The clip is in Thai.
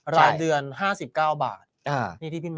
รายเดือน๕๙บาท